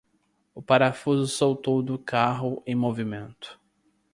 O parafuso soltou do carro em movimento.